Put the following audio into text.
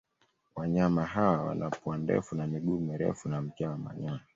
Wanyama hawa wana pua ndefu na miguu mirefu na mkia wa manyoya.